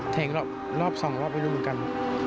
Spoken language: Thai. แทงรอบสองรอบไปลุงเหมือนกัน